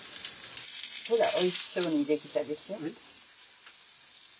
ほらおいしそうに出来たでしょ。